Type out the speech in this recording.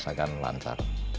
lintas akan lancar